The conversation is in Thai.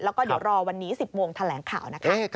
แล้วก็เดี๋ยวรอวันนี้๑๐โมงแถลงข่าวนะคะ